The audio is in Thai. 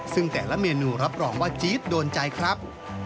ซึ่งแต่ละเมนูรับรองว่าจี๊ดโดนใจครับ